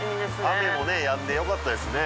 雨もねやんでよかったですね